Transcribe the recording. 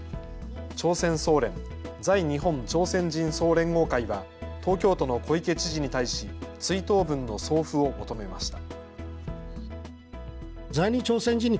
朝鮮総連・在日本朝鮮人総連合会は東京都の小池知事に対し追悼文の送付を求めました。